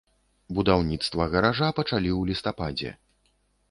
Будаўніцтва гаража пачалі ў лістападзе.